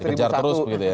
dikejar terus begitu ya